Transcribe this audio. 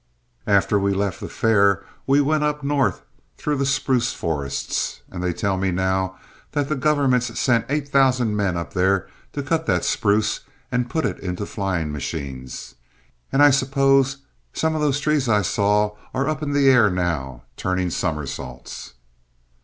"After we left the fair we went up north through the spruce forests, and they tell me now that the government's sent 8,000 men up there to cut that spruce and put it into the flying machines, an' I suppose some of those trees I saw are up in the air now turning somersaults.